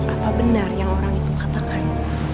apa benar yang orang itu katakan